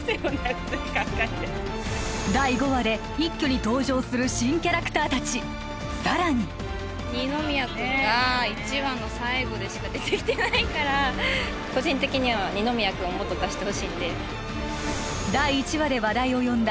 普通に考えて第５話で一挙に登場する新キャラクター達更に二宮君が１話の最後でしか出てきてないから個人的には二宮君をもっと出してほしいんで第１話で話題を呼んだ